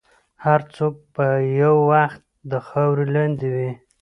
هر څوک به یو وخت د خاورې لاندې وي.